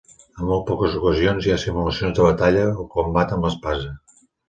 En molt poques ocasions hi ha simulacions de batalla o combat amb l'espasa.